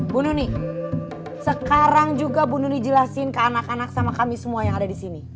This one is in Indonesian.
bu nuni sekarang juga bu nuni jelasin ke anak anak sama kami semua yang ada di sini